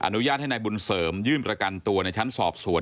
อนุญาตให้นายบุญเสริมยื่นประกันตัวในชั้นสอบสวน